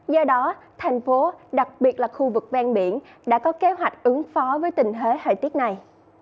do đó tp hcm đặc biệt là khu vực ven biển đã có kế hoạch ứng phó với tình hế hợi tiết này